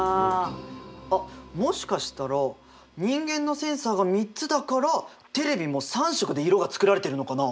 あもしかしたら人間のセンサーが３つだからテレビも３色で色が作られてるのかな？